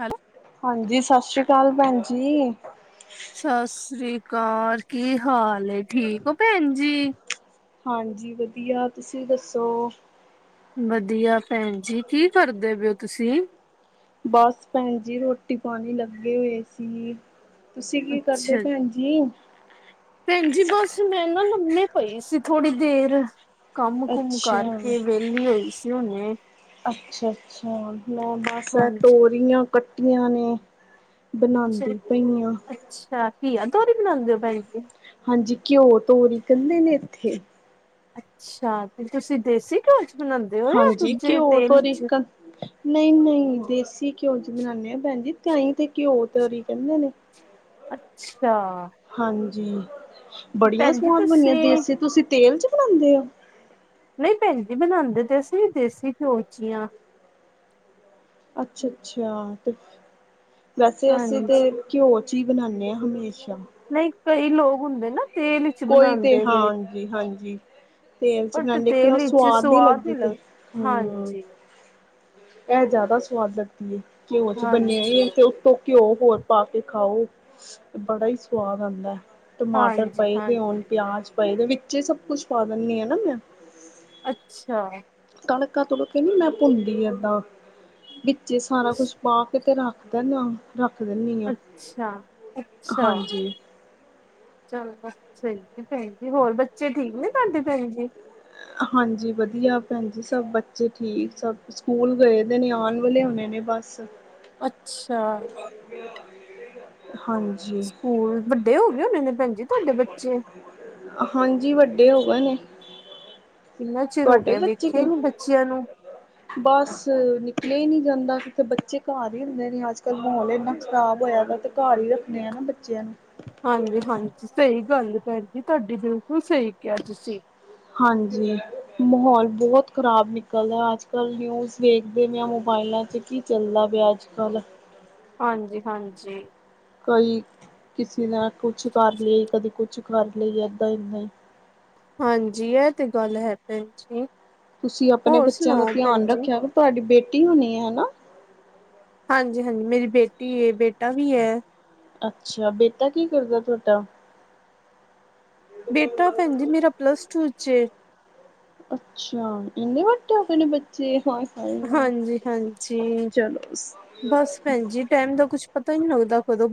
Hello. ਹਾਂਜੀ, ਸਸ਼੍ਰੀ ਕਾਲ ਭੈਨ ਜੀ। ਸਸ੍ਰੀ ਕਾਰ, ਕੀ ਹਾਲ ਏ, ਠੀਕੋ ਭੈਨ ਜੀ‍? ਹਾਂਜੀ, ਵਦੀਆ ਤੂਸੀ ਦੱਸੋ? ਵਦੀਆ ਭੈਨ ਜੀ, ਕੀ ਕਰਦੇ ਪਏ ਓ ਤੂਸੀ? ਬਾੱਸ ਭੈਨ ਜੀ ਰੋਟੀ ਪਾਨੀ ਲੱਗੇ ਹੋਏ ਸੀ, ਤੂਸੀ ਕੀ ਕਰਦੇ ਭੈਨ ਜੀ? ਜੀ। ਭੈਨ ਜੀ ਬਾੱਸ ਮੈਂ ਨਾ ਲੰਮੇ ਪਈ ਸੀ ਥੋੜੀ ਦੇਰ। ਕੰਮ ਕੁਮ ਅੱਛਾ ਕਰਕੇ ਵਿਹਲੀ ਹੋਈ ਸੀ ਹੁਣੇ। ਅੱਛਾ ਅੱਛਾ ਮੈਂ ਬਸ ਹਾਂਜੀ ਤੋਰੀਆਂ ਕੱਟੀਆਂ ਨੇ। ਅੱਛਾ ਬਣਾਉਂਦੀ ਪਈ ਆ ਅੱਛਾ ਕੀਆ ਤੋਂਰੀ ਬਣਾਉਦੇ ਪਏ। ਹਾਂਜੀ ਘਿਓ ਤੋਰੀ ਕਹਿੰਦੇ ਨੇ ਇੱਥੇ। ਅੱਛਾ ਤੇ ਤੁਸੀਂ ਦੇਸੀ ਘਓ ਚ ਬਣਾਉਂਦੇ ਹੋ। ਜਾਂ ਹਾਂਜੀ ਦੂਜੇ ਘਿਓ ਤੇਲ ਤੋਂ ਵਿੱਚ ਰਿਕ ਨਹੀਂ ਨਹੀਂ ਦੇਸੀ ਘਿਓ ਚ ਬਨਾਦੇ ਆ ਭੈਣ ਜੀ ਤਹੀ ਤੇ ਘਿਓ ਤੋਰੀ ਕਹਿੰਦੇ ਨੇ। ਅੱਛਾ। ਹਾਂਜੀ ਬੜੀਆਂ ਭੈਣ ਜੀ ਸਵਾਦ ਬਣੀਆ ਤੁਸੀਂ ਦੇਸੀ ਤੁਸੀਂ ਤੇਲ ਚ ਬਣਾਉਂਦੇ ਹੋ? ਨਹੀਂ ਭੈਣ ਜੀ ਬਣਾਉਂਦੇ ਤੇ ਅਸੀਂ ਦੇਸੀ ਘਿਓ ਚ ਹਾਂ ਅੱਛਾ ਅੱਛਾ ਤੇ ਵੈਸੇ ਅਸੀਂ ਹਾਂਜੀ ਤੇ ਘਿਓ ਚ ਹੀ ਬਣਾਦੇ ਹਾਂ ਹਮੇਸ਼ਾ। ਨਹੀਂ ਕਈ ਲੋਕ ਹੁੰਦੇ ਨਾ ਤੇਲ ਵਿੱਚ ਕੋਈ ਤੇ ਬਣਾਉਂਦੇ ਨੇ। ਹਾਂਜੀ ਹਾਂਜੀ। ਤੇਲ ਚ ਬਟ ਬਣਾਉਦੇ ਲੇਕਿਨ ਤੇਲ ਉਹ ਵਿੱਚ ਸਵਾਦ ਨੀ ਲੱਗਦੀ ਤੇ ਲੱਗ ਹਮ। ਹਾਂਜੀ ਇਹ ਜ਼ਿਆਦਾ ਸਵਾਦ ਲੱਗਦੀ ਘਿਓ ਚ ਹਾਂਜੀ ਬੰਨਿਆ ਉਤੋਂ ਉਤੋਂ ਘਿਓ ਹੋਰ ਪਾ ਕੇ ਖਾਓ ਤੇ ਬੜਾ ਹੀ ਸਵਾਦ ਆਉਂਦਾ ਟਮਾਟਰ ਹਾਂਜੀ ਪਏਦੇ ਹਾਂਜੀ ਹੋ। ਪਿਆਜ ਪਾਈਦੇ ਵਿੱਚ ਸਭ ਕੁੱਛ ਪਾ ਦਿੰਦੀ ਆ ਨਾ ਮੈਂ ਅੱਛਾ ਤੜਕਾ ਤੜਕੇ ਨੀ ਮੈਂ ਭੁੰਦੀ ਏਦਾਂ ਵਿੱਚ ਸਾਰਾ ਕੁਛ ਪਾ ਕੇ ਤੇ ਰੱਖ ਦਦਾ ਰੱਖ ਦਿੱਤੀ ਦੀ ਆ ਅੱਛਾ ਅੱਛਾ ਹਾਂਜੀ ਚਲੋ ਸਹੀ ਭੈਣ ਜੀ ਹੋਰ ਬੱਚੇ ਠੀਕ ਨੇ ਸਾਡੇ ਭੈਣ ਜੀ। ਹਾਂਜੀ ਵਧੀਆ ਭੈਣ ਜੀ ਸਭ ਬੱਚੇ ਠੀਕ ਸਭ ਸਕੂਲ ਗਏ ਤੇ ਨੇ ਆਉਣ ਵਾਲੇ ਹੋਣੇ ਨੇ ਬਸ ਅੱਛਾ ਹਾਂਜੀ ਸਕੂਲ ਵੱਡੇ ਹੋ ਗਏ ਹੋਣੇੇ ਨੇ ਭੈਣ ਜੀ ਤੁਹਾਡੇ ਬੱਚੇ। ਹਾਂਜੀ ਵੱਡੇ ਹੋ ਗ ਨੇ। ਕਿੰਨਾ ਚਿਰ ਹੋ ਗਿਆ ਦੇਖਿਆ ਹੀ ਨੀ ਬੱਚਿਆਂ ਨੂੰ। ਧ ਬਸ ਨਿਕਲ ਹੀ ਨਹੀਂ ਜਾਂਦਾ ਕਿਤੇ ਬੱਚੇ ਘਰ ਹੀ ਹੁੰਦੇ ਨੇ ਅੱਜ ਕੱਲ ਮਾਹੌਲ ਇੰਨਾ ਖਰਾਬ ਹੋਇਆ। ਘਰ ਹੀ ਰੱਖਣੇ ਆ ਨਾ ਬੱਚਿਆਂ ਨੂੰ। ਹਾਂਜੀ ਹਾਂਜੀ ਸਹੀ ਗੱਲ ਭੈਣ ਜੀ ਤੁਹਾਡੀ ਬਿਲਕੁਲ ਸਹੀ ਕਿਹਾ ਤੁਸੀਂ। ਹਾਂਜੀ। ਮਾਹੌਲ ਬਹੁਤ ਖ਼ਰਾਬ ਨਿਕਲਦਾ ਅੱਜ ਕੱਲ੍ਹ ਨਿਊਜ਼ ਵੇਖਦੇ ਨੇ ਆ ਮੋਬਾਇਲਾਂ ਚ। ਕੀ ਚੱਲਦਾ ਪਿਆ ਅੱਜ ਕੱਲ੍ਹ। ਹਾਂਜੀ ਹਾਂਜੀ। ਕਈ ਕਿਸੇ ਨੇ ਕੁਛ ਕਰ ਲਈਆ ਕਦੇ ਕੁਛ ਕਰ ਲਈ ਏਦਾਂ ਇਨਾ ਹੀ ਹਾਂਜੀ ਇਹ ਤੇ ਗੱਲ ਹੈ ਭੈਣ ਜੀ। ਤੁਸੀਂ ਆਪਣੇ ਹੋਰ ਬੱਚਿਆਂ ਦਾ ਸੁਣਾਓ ਭੈਣ ਧਿਆਨ ਜੀ ਰੱਖਿਆ ਕਿ ਤੁਹਾਡੀ ਬੇਟੀ ਹੋਣੀ ਹੈ ਹਨਾ। ਹਾਂਜੀ ਹਾਂਜੀ ਮੇਰੀ ਬੇਟੀ ਬੇਟਾ ਵੀ ਹੈ। ਅੱਛਾ ਬੇਟਾ ਕੀ ਕਰਦਾ ਤੁਹਾਡਾ। ਬੇਟਾ ਭੈਣ ਜ ਮੇਰਾ ਪਲੱਸ ਟੂ ਚ ਅੱਛਾ ਇੰਨੇ ਵੱਡੇ ਹੋ। ਜ ਹ ਹਾਂਜੀ ਹਾਂਜੀ ਚਲੋ ਬਸ ਭੈਣ ਜੀ ਟਾਈਮ ਦਾ ਕੁੱਛ ਪਤਾ ਹੀ ਨੀ ਲੱਗਦਾ ਖਦੋ।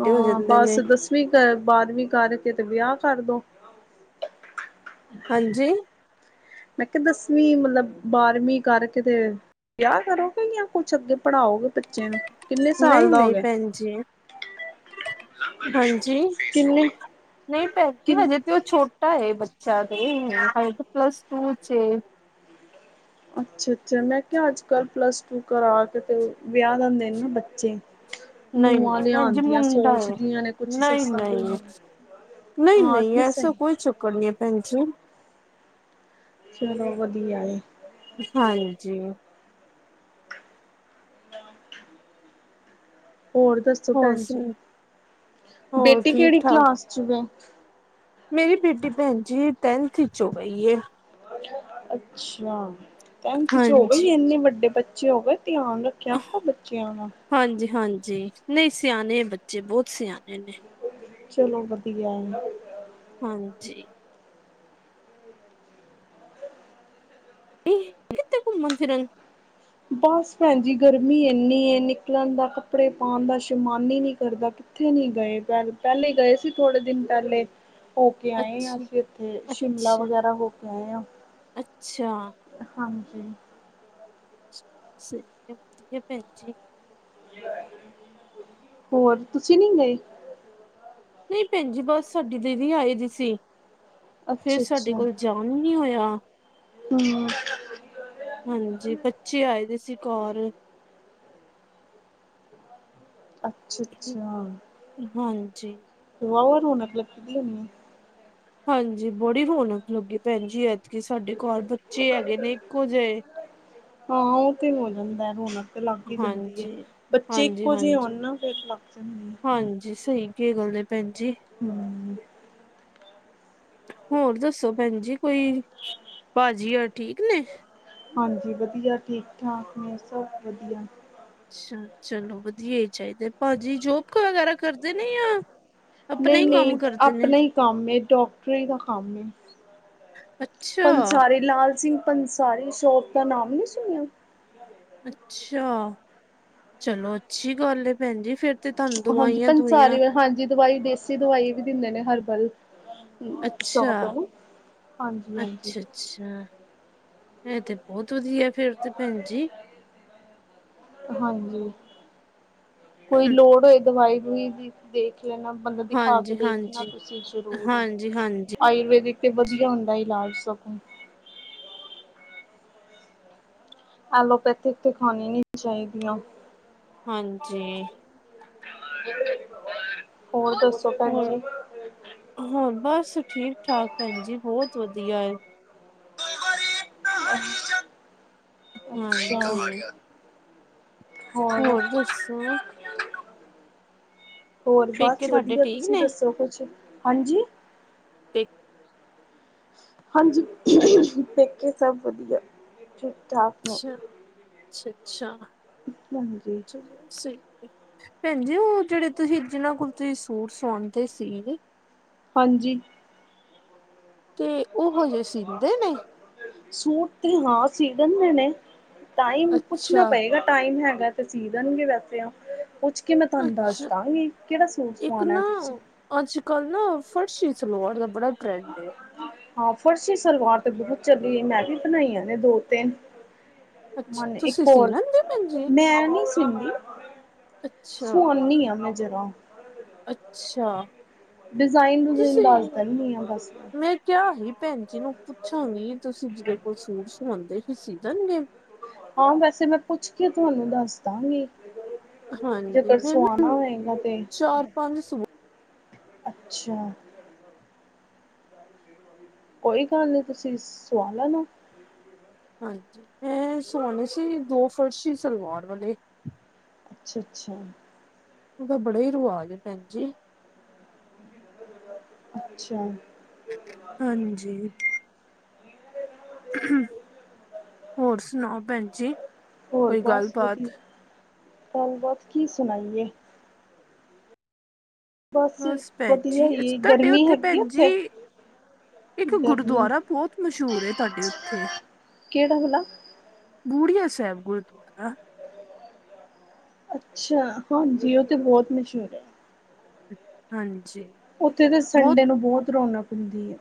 ਹਾਂ ਬਸ ਦਸਵੀਂ ਕਰ ਬਾਰਵੀਂ ਕਰਕੇ ਤੇ ਵਿਆਹ ਕਰਦੋ। ਹਾਂਜੀ ਮੈਂ ਕਿਹਾ ਦਸਵੀਂ ਮਤਲਬ ਬਾਰਵੀਂ ਕਰਕੇ ਤੇ ਵਿਆਹ ਕਰੋਗੇ ਜਾਂ ਕੁਛ ਅੱਗੇ ਪੜ੍ਹਾਓਗੇ ਬੱਚੇ ਨੂੰ ਕਿੰਨੇ ਸਾਲ ਨਹੀਂ- ਦਾ ਹੋ ਨਹੀਂ ਗਿਆ? ਭੈਣ ਜੀ। ਹਾਂਜੀ। ਕਿੰਨੇ ਨਹੀਂ ਭੈਣ ਜੀ ਕਿੰਨ ਹਜੇ ਛੋਟਾ ਹੈ ਬੱਚਾ ਤਾਂ, ਪਲੱਸ ਟੂ ਚਚ' ਅੱਛਾ- ਅੱਛਾ ਮੈਂ ਕਿਹਾ, ਅੱਜ ਕੱਲ੍ਹ ਪਲੱਸ ਟੂ ਕਰਾ ਕੇ ਤੇ ਵਿਆਹ ਦਦੇਨ ਨਾ ਬੱਚੇ। ਹ [inaudible] ਨਹੀਂ- ਨਹੀਂ ਭੈ ਮੁੰਡਾ ਹੈ। ਨੇ ਕੁਛ ਨਹੀਂ ਸੱਸਾਂ ਦੇ -ਨਹੀਂ। ਹੁੰਦੀਆਂ ਨਹੀਂ ਹਾਂ -ਨਹੀਂ ਐਸਾ ਸਹੀ ਕੋਈ ਚੱਕਰ ਨਹੀਂ ਹੈ ਭੈਣਜੀ। ਚਲੋ ਵਧੀਆ। ਹਾਂਜੀ। ਹੋਰ ਦੱਸੋ ਹੋਰ ਭੈਣ ਜੀ। ਸੁ ਹੋਰ ਬੇਟੀੇ ਠੀਕ ਕਿਹੜੀ ਠਾਕ ਕਲਾਸ ਚ'ਏ। ਮੇਰੀ ਬੇਟੀ ਭੈਣ ਜੀ, ਟੈਂਨਥ ਵਿੱਚ ਹੋ ਗਈ ਹੈ। ਅੱਛਾ। ਟੈਂਥ ਚ' ਹੋਗੀ ਹਾਂਜੀ, ਏ। ਇੰਨੇ ਵੱਡੇ ਬੱਚੇ ਹੋ ਗਏ। ਧਿਆਉਣ ਰੱਖਿਆ ਕਰੋ ਬੱਚਿਆਂ ਦਾ। ਹਾਂਜੀ- ਹਾਂਜੀ ਨਹੀਂ, ਸਿਆਣੇ ਬੱਚੇ ਬਹੁਤ ਸਿਆਣੇ ਨੇ। ਚਲੋ ਵਧੀਆ ਹੈ। ਹਾਂਜੀ। ਇਹ ਕਿਥੇ ਕੁਮਨ- ਫਿਰਨ? ਬਸ ਭੈਣ ਜੀ, ਗਰਮੀ ਇੰਨੀ ਨਿਕਲਣ ਦਾ, ਕੱਪੜੇ ਪਾਉਣ ਦਾ ਸ਼ਮਾਨ ਹੀ ਨੀ ਕਰਦਾ। ਉੱਥੇ ਨਹੀਂ ਗਏ, ਪ- ਪਹਿਲੇ ਗਏ ਸੀ ਥੋੜੇ ਦਿਨ ਪਹਿਲੇ। ਹੋ ਕੇ ਆਏ ਹਾਂ। ਅੱਛਾ, ਅਸੀਂ ਇੱਥੇ ਸ਼ਿਮਲਾ ਅੱਛਾ, ਵਗੈਰਾ ਹੋ ਕੇ ਆਏ ਹਾਂ। ਅੱਛਾ। ਹਾਂਜੀ। ਸਹੀ ਵਧੀਆ, ਭੈਣ ਜੀ। ਹੋਰ ਤੁਸੀਂ ਨਹੀਂ ਗਏ? ਨਹੀਂ ਭੈਣ ਜੀ ਬਸ ਸਾਡੀ ਦੀਦੀ ਆਏ ਦੀ ਸੀ। ਫਿਰ ਅੱਛਾ ਸਾਡੇ ਅੱਛਾ ਕੋਲ ਜਾਣ ਨੀ ਹੋਇਆ। ਹਮ [unintelligible] ਹਾਂਜੀ। ਬੱਚੇ ਆਏ ਦੇ ਸੀ ਘਰ। ਅੱਛਾ- ਅੱਛਾ। ਹਾਂਜੀ। ਵਾਹ ਵਾ ਰੋਣਕ ਲੱਗਦੀ। ਹਾਂਜੀ। ਬੜੀ ਰੋਣਕ ਲੱਗੀ ਭੈਣ ਜੀ। ਐਤਕੀਕ ਸਾਡੇ ਘਰ ਬੱਚੇ ਹੈਗੇ ਨੇ ਇੱਕੋ ਜਿਹੇ। ਹਾਂ। ਉਹ ਤੇ ਹੋ ਜਾਂਦਾ ਰੌਣਕ। ਲੱਗ ਹੀ ਜਾਂਦੀ ਹੈ। ਹਾਂਜੀ, ਬੱਚੇ ਇੱਕੋ ਜਿਹੇ ਆਉਣ ਹਾਂਜੀ-ਹਾਂਜੀ। ਨਾ ਫਿਰ ਲੱਗ ਜਾਂਦੇ ਆ। ਭੈਣਜੀ। ਹਮ। ਹੋਰ ਦੱਸੋ ਭੈਣ ਜੀ, ਕੋਈ ਭਾਜੀ ਹੋ ਠੀਕ ਨੇ। ਹਾਂਜੀ। ਵਧੀਆ ਠੀਕ- ਠਾਕ ਨੇ ਸਭ ਵਧੀਆ। ਅੱਛਾ। ਚਲੋ ਵਧੀਆ ਹੀ ਚਾਹੀਦਾ। ਭਾਜੀ ਜੋਬ ਵਗੈਰਾ ਕਰਦੇ ਨੇ ਆ। ਨਹੀਂ -ਨਹੀਂ ਆਪਣਾ ਹੀ ਕੰਮ ਡਾਕਟਰੀ ਦਾ ਕੰਮ। ਅੱਛਾ। ਪੰਸਾਰੀ ਲਾਲ ਸਿੰਘ ਪੰਸਾਰੀ ਸ਼ੋਪ ਦਾ ਨਾਮ ਨੀ ਸੁਣਿਆ। ਅੱਛਾ। ਚਲੋ ਅੱਛੀ ਗੱਲ ਹੈ ਭੈਣ ਜੀ ਫਿਰ। ਹਾਂਜੀ। ਪੰਚਾਰੀ ਹਾਂਜੀ। ਦਵਾਈ ਦੇਸੀ ਦਵਾਈ ਵੀ ਦਿੰਦੇ ਨੇ ਹਰਬਲ। ਅੱਛਾ ਸ਼ੋਪ ਹੈ ਨਾ। ਹਾਂਜੀ -ਹਾਂਜੀ। ਅੱਛਾ ਅੱਛਾ। ਇਹ ਤੇ ਬਹੁਤ ਵਧੀਆ ਫੇਰ ਤੇ ਭੈਣ ਜੀ। ਹਾਂਜੀ। ਕੋਈ ਲੋੜ ਹੋਏ ਦਵਾਈ- ਦੂਈ ਦੀ ਦੇਖ ਲੈਣਾ, ਬੰਦਾ ਦਿਖਾ ਕੇ ਹਾਂਜੀ ਦੇਖਣਾ ਹਾਂਜੀ ਤੁਸੀਂ ਜ਼ਰੂਰ। ਹਾਂਜੀ ਹਾਂਜੀ ਆਯੁਰਵੇੈਦਿਕ ਤੇ ਵਧੀਆ ਹੁੰਦਾ ਇਲਾਜ ਸਗੋਂ। ਐਲੋਪੈਥਿਕ ਤੇ ਖਾਣੀ ਨ ਚਾਹੀਦੀਆਂ। ਹਾਂਜੀ। [inaudible] ਹੋਰ ਦੱਸ ਹੋਰ, ਹੋਰ ਬਸ ਠੀਕ-ਠਾਕ ਭੈਣ ਜੀ ਬਹੁਤ ਵਧੀਆ ਐ। [unintelligible] ਅੱਛਾ। ਹਾਂਜੀ ਹੋਰ ਦੱਸੋ। ਹੋਰ ਪੇਕੇ ਬਸ ਤੁਹਾਡੇ ਵਧੀਆ, ਠੀਕ ਤੁਸੀਂ ਨੇ ਦੱਸੋ ਕੁਛ ਹਾਂਜੀ। ਹਾਂਜੀ, [unintelligible] ਦੇਖੇ ਸਭ ਵਧੀਆ। ਠਾਕ ਨੇ। ਅੱਛਾ, ਅੱਛਾ ਅੱਛਾ। ਹਾਂਜੀ। ਚਲੋ ਸਹੀ ਐ। ਭੈਣ ਜੀ ਉਹ ਜਿਹੜੇ ਤੁਸੀਂ ਜਿਹਨਾਂ ਕੋਲ ਤੁਸੀਂ ਸੂਟ ਸਵਾਂਦੇ ਸੀ। ਹਾਂਜੀ। ਤੇ ਉਹ ਹਜੇ ਸੀਦੇ ਨੇਂ? ਸੂਟ ਤੇ ਹਾਂ, ਸੀ ਦਿੰਦੇ ਨੇਂ। ਟਾਈਮ ਪੁੱਛਣਾ ਅੱਛਾ ਪਏਗਾ ਟਾਈਮ ਹੈਗਾ ਤੇ ਸੀ ਦੇਣਗੇ ਵੈਸੇ ਆ ਪੁੱਛ ਕੇ ਮੈਂ ਤੁਹਾਨੂੰ ਅੱਛਾ ਦੱਸਦਾਂਗੀ। ਕਿਹੜਾ ਸੂਟ ਸਵਾਣਾ ਤੁਸੀ? ਅੱਜ-ਕੱਲ ਨਾ ਫਰਸ਼ੀ ਸਲਵਾਰ ਦਾ ਬੜਾ ਟਰੈਂਡ ਐ। ਹਾਂ ਫਰਸ਼ੀ ਸਲਵਾਰ ਤੇ ਬਹੁਤ ਚੱਲੀ ਏ, ਮੈਂ ਵੀ ਬਣਾਈਆਂ ਨੇ ਦੋ ਤਿੰਨ। ਅੱਛਾ [unintelligible] ਇੱਕ ਤੁਸੀਂ ਸੀ ਹੋਰ ਲੈਂਦੇ ਭੈਣ ਜੀ ਮੈਂ ਨਹੀਂ ਸੀਦੀ। [unintelligible] ਅੱਛਾ ਸਵਾਉਣੀ ਆ ਮੈਂ ਜਰਾ। ਅੱਛਾ। ਡਿਜ਼ਾਇਨ ਡਜੂਨ ਦੱਸ ਦਿੰਨੀ ਆ ਬਸ ਮੈਂ। ਕਿਆ ਹੀ ਭੈਣ ਜੀ ਨੂੰ ਪੁੱਛਾਂਗੀ, ਤੁਸੀਂ ਜਿਹਦੇ ਕੋਲ ਸੂਟ ਸਵਾਉਂਦੇ ਸੀ ਸੀਹ ਦੇਣਗੇ। ਹਾਂ, ਵੈਸੇ ਮੈਂ ਪੁੱਛ ਕੇ ਤੁਹਾਨੂੰ ਦੱਸ ਦਾਂਗੀ। ਜੇ ਹਾਂਜੀ ਮੈਂ ਪਰਸੋਂ ਨਾ ਆਣਾ ਹੋਏਗਾ ਤੇ, ਚਾਰ ਪੰਜ ਸੂਟ ਅੱਛਾ। ਕੋਈ ਗੱਲ ਨੀਂ ਤੁਸੀਂ ਸਵਾ ਲੈਣਾ। ਹਾਂਜੀ, ਮੈਂ ਸਵਾਣੇ ਸੀ, ਦੋ ਫਰਸ਼ੀ ਸਲਵਾਰ ਵਾਲੇ। ਅੱਛਾ ਅੱਛਾ। ਉਹਦਾ ਬੜਾ ਹੀ ਰਿਵਾਜ ਏ ਭੈਣ ਜੀ। ਅੱਛਾ। ਹਾਂਜੀ। [unintelligible] ਹੋਰ ਸੁਣਾਓ ਭੈਣ ਜੀ। ਹੋਰ ਕੋਈ ਬਸ ਵਧੀਆ, ਗੱਲਬਾਤ ਗੱਲਬਾਤ ਕੀ ਸੁਣਾਈਏ? ਬਸ ਭੈਣ ਜੀ, ਵਧੀਆ ਅਛ ਹੀ ਤੁਹਾਡੇ ਗਰਮੀ ਉੱਥੇ ਹੈਗੀ ਆ ਭੈਣ ਜੀ ਉੱਥੇ ਇੱਕ ਗਰਮੀ ਗੁਰਦੁਆਰਾ ਬਹੁਤ ਮਸ਼ਹੂਰ ਤੁਹਾਡੇ ਉੱਥੇ ਕਿਹੜਾ ਭਲਾ ਬੂੜੀਆ ਸਾਹਿਬ ਗੁਰਦੁਆਰਾ ਅੱਛਾ, ਹਾਂਜੀ ਉਹ ਤੇ ਬਹੁਤ ਮਸ਼ਹੂਰ ਐ। ਹਾਂਜੀ। ਉੱਥੇ ਤੇ ਸੰਡੇ ਨੂੰ ਬਹੁਤ ਰੌਣਕ ਹੁੰਦੀ ਐ।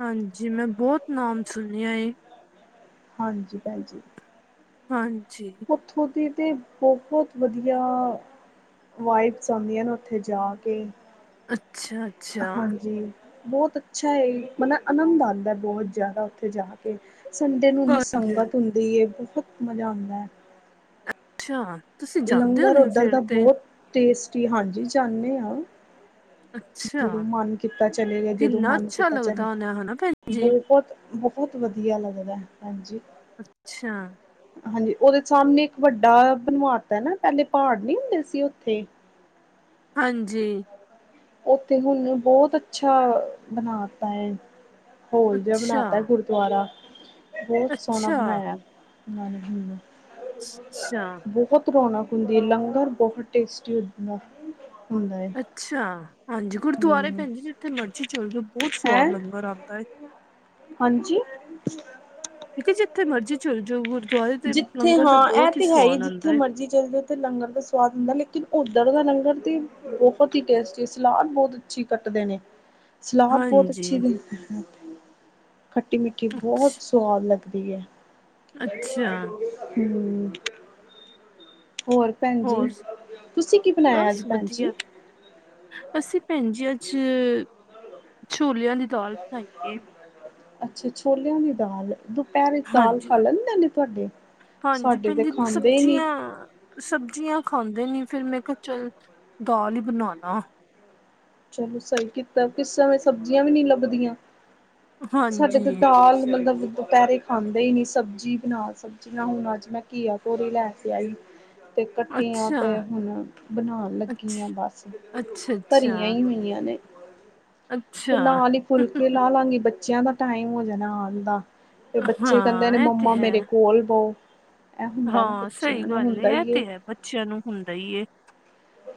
ਹਾਂਜੀ, ਮੈਂ ਬਹੁਤ ਨਾਮ ਸੁਣਿਆ ਏ। ਹਾਂਜੀ ਭੈਣ ਜੀ। ਹਾਂਜੀ। ਉੱਥੋਂ ਦੀ ਤੇ ਬਹੁਤ ਵਧੀਆ ਵਾਈਬਸ ਆਉਂਦੀਆਂ ਨੇਂ ਉੱਥੇ ਜਾ ਕੇ। [unintelligible] ਅੱਛਾ ਹਾਂਜੀ ਬਹੁਤ ਅੱਛਾ ਏ, ਬੜਾ ਆਨੰਦ ਆਂਦਾ ਏ, ਬਹੁਤ ਜ਼ਿਆਦਾ ਉੱਥੇ ਜਾ ਕੇ। ਸੰਡੇ ਨੂੰ ਏਨੀਂ ਹਾਂਜੀ ਸੰਗਤ ਹੁੰਦੀ ਏ, ਬਹੁਤ ਮਜ਼ਾ ਆਂਦਾ ਐ। ਅੱਛਾ। ਤੁਸੀਂ ਜਾਂਦੇ ਲੰਗਰ ਹੋਣੇ ਹੋ ਓਧਰ ਦਾ ਫਿਰ ਤੇ ਬਹੁਤ ਟੇਸਟੀ, ਹਾਂਜੀ ਜਾਣੇ ਆਂ। ਅੱਛਾ ਜਦੋਂ ਮਨ ਕੀਤਾ ਚਲੇ ਗਏ, ਜਦੋਂ ਕਿੰਨਾ ਮਨ ਅੱਛਾ ਕੀਤਾ ਲੱਗਦਾ ਚਲੇ, ਹੋਣਾ ਹਨਾ ਭੈਣ ਜੀ ਬਹੁਤ ਬਹੁਤ ਵਧੀਆ ਲੱਗਦਾ ਹਾਂਜੀ। ਅੱਛਾ। ਹਾਂਜੀ, ਉਹਦੇ ਸਾਹਮਣੇ ਇੱਕ ਵੱਡਾ ਬਨਵਾਤਾ ਨਾ, ਪਹਿਲੇ ਪਹਾੜ ਨੀ ਹੁੰਦੇ ਸੀ ਉੱਥੇ। ਹਾਂਜੀ। ਉੱਥੇ ਹੁਣ ਬਹੁਤ ਅੱਛਾ ਬਣਾਤਾ ਏ, ਹੋਲ ਜਿਹਾ ਅੱਛਾ ਬਣਾਤਾ ਗੁਰ ਗੁਰਦੁਆਰਾ, ਬਹੁਤ ਸੋਹਣਾ ਅੱਛਾ ਬਣਾਇਆ ਉਹਨਾਂ ਨੇ। ਅੱਛਾ ਬਹੁਤ। ਰੌਣਕ ਹੁੰਦੀ ਏ, ਲੰਗਰ ਬਹੁਤ ਟੇਸਟੀ ਹੁੰਦਾ ਏ। ਅੱਛਾ, ਹਾਂਜੀ ਗੁਰਦੁਆਰੇ ਭੈਣ ਜੀ ਜਿੱਥੇ ਮਰਜੀ ਚੱਲ ਜਾਓ, ਬਹੁਤ ਹੈਂ ਸੁਆਦ ਲੰਗਰ ਆਦਾ ਏ। ਹਾਂਜੀ। ਮੈਂ ਕਿਹਾ ਜਿੱਥੇ ਮਰਜ਼ੀ ਚਲ ਜਾਓ, ਗੁਰਦੁਆਰੇ ਦੇ ਲੰਗਰ ਦਾ ਬਹੁਤ ਹੀ ਸਵਾਦ ਆਉਂਦਾ ਏ। ਚਲਦੇ ਤੇ ਲੰਗਰ ਦਾ ਸਵਾਦ ਹੁੰਦਾ, ਲੇਕਿਨ ਉੱਧਰ ਦਾ ਲੰਗਰ ਤੇ ਬਹੁਤ ਹੀ ਟੇਸਟੀ ਸਲਾਦ ਬਹੁਤ ਅੱਛੀ ਕੱਟਦੇ ਨੇ, ਸਲਾਦ ਬਹੁਤ ਹਾਂਜੀ ਅੱਛੀ ਖੱਟੀ ਮਿੱਠੀ ਅੱਛ ਬਹੁਤ ਸਵਾਦ ਲੱਗਦੀ ਐ। ਅੱਛਾ। ਹੂੰ। ਹੋਰ ਭੈਣ ਜੀ। ਹੋਰ ਤੁਸੀ ਕੀ ਬਣਾਇਆ ਅੱਜ ਭੈਣ ਜੀ? ਅਸੀ ਭੈਣ ਜੀ ਅੱਜ ਛੋਲਿਆਂ ਦੀ ਦਾਲ ਬਣਾਈ ਏ ਅੱਛਾ ਛੋਲਿਆਂ ਦੀ ਦਾਲ ਦੁ ਪੈਰੇ ਦਾਲ ਹਾਂਜੀ ਖਾ ਲੈਂਦੇ ਨੇ ਤੁਹਾਡੇ ਸਾਡੇ ਤੇ ਖਾਂਦੇ ਈ ਨੀ। ਆ ਸਬਜ਼ੀਆਂ ਖਾਂਦੇ ਨੀ ਫੇਰ ਮੈਂ ਕਿਹਾ ਚਲ ਦਾਲ ਈ ਬਣਾ ਲਾਂ। ਚਲੋ ਸਹੀ ਕੀਤਾ ਕਿਸ ਸਮੇਂ ਸਬਜ਼ੀਆਂ ਵੀ ਨਈ ਲੱਭਦੀਆਂ। ਸਾਡੇ ਹਾਂਜੀ ਤੇ ਦਾਲ ਮਤਲਬ ਦੁਪਹਿਰੇ ਖਾਂਦੇ ਈ ਨੀ ਸਬਜ਼ੀ ਬਣਾ ਸਬਜ਼ ਨਾ ਹੁਣ ਅੱਜ ਮੈਂ ਘੀਆ ਤੋਰੀ ਲੈ ਕੇ ਆਈ। ਤੇ ਕੱਟੀਆਂ ਅੱਛਾ ਤੇ ਹੁਣ ਬਣਾਣ ਲੱਗੀ ਆਂ ਅੱਛਾ ਬਸ ਅੱਛਾ ਅੱਛਾ ਧਰੀਆਂ ਹੀ ਹੋਈਆਂ ਨੇ ਤੇ ਅੱਛਾ ਨਾਲ ਈ ਫੁਲਕੇ ਲਾ ਲਾਂਗੀ ਬੱਚੇਆਂ ਦਾ ਟਾਈਮ ਹੋ ਜਾਣਾ ਆਣ ਦਾ। ਤੇ ਬੱਚੇ ਕਹਿੰਦੇ ਹਾਂ ਨੇ ਇਹ ਤੇ ਮੰਮਾ ਹੈ ਮੇਰੇ ਕੋਲ ਬੋ। ਐ ਹੁੰਦਾ ਨਾ ਬੱਚਿਆਂ ਨੂੰ। ਹੁੰਦਾ ਈ ਏ। ਚਾ ਨੂੰ ਹੁੰਦਾ ਈ ਏ।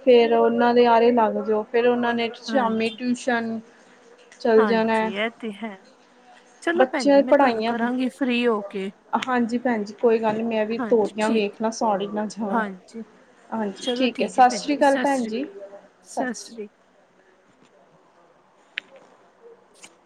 ਫੇਰ ਔਨਾਂ ਦੇ ਆਰੇ ਲੱਗ ਜਾਓ। ਫੇਰ ਓਨਾਂ ਨੇ ਸ਼ਾਮੀ ਹਾਂਜੀ ਟਿਊਸ਼ਨ ਚੱਲ ਜਾਣਾ। ਹਾਂਜੀ ਐ ਤੇ ਹੈ। ਚਲੋ ਭੈਣ ਬੱਚਿਆਂ ਜੂ ਦੀ ਮੈਂ ਤੁਹਾਨੂੰ ਪੜ੍ਹਾਈਆਂ ਕਰਾਂਗੀ ਫ੍ਰਰੀ ਹੋ ਕੇ। ਹਾਂਜੀ ਭੈਣਜੀ ਕੋਈ ਗੱਲ ਨੀ ਮੈਂ ਵੀ ਹਾਂਜੀ ਤੋਰੀਆਂ ਠੀਕ ਹੈ ਵੇਖਲਾਂ ਸੜ ਈ ਨਾ ਜਾਣ। ਹਾਂਜੀ ਹਾਂਜੀ, ਚਲੋ ਠੀਕ ਏ, ਹੈ ਸਤਿ ਭੈਣ ਸ੍ਰੀ ਜੀ ਅਕਾਲ ਸਤਿ ਭੈਣ ਸ੍ਰੀ ਜੀ, ਅਕਾਲ ਸਤਿ ਸ੍ਰੀ ਅਕਾਲ।